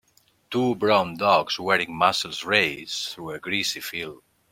Two brown dogs wearing muzzles race through a grassy field.